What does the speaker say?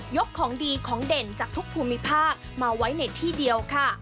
ของดีของเด่นจากทุกภูมิภาคมาไว้ในที่เดียวค่ะ